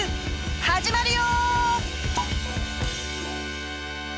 始まるよ！